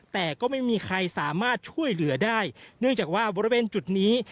แต่ก็ไม่มีใครสามารถช่วยเหลือได้เนื่องจากว่าบริเวณจุดนี้